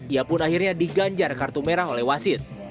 ia pun akhirnya diganjar kartu merah oleh wasit